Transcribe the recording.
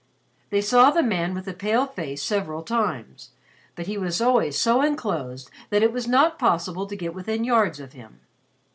They saw the man with the pale face several times, but he was always so enclosed that it was not possible to get within yards of him.